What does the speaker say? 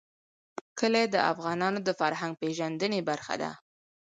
کلي د افغانانو د فرهنګي پیژندنې برخه ده.